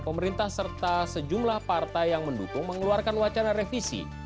pemerintah serta sejumlah partai yang mendukung mengeluarkan wacana revisi